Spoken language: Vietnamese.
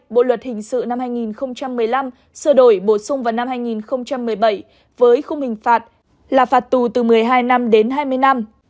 bộ luật hình sự năm hai nghìn một mươi năm sửa đổi bổ sung vào năm hai nghìn một mươi bảy với khung hình phạt là phạt tù từ một mươi hai năm đến hai mươi năm